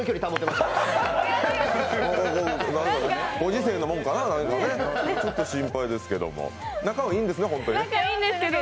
ご時世のものかなちょっと心配ですけど、仲はいいんですね、本当にね？